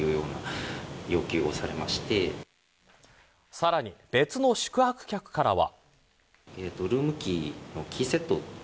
さらに別の宿泊客からは。